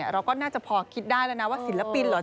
เราก็น่าจะพอคิดได้แล้วนะว่าศิลปินเหรอ